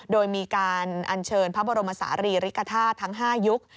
โดยมีการอัญเชิญพระบรมศาลีริกฐาตุทั้ง๕ยุค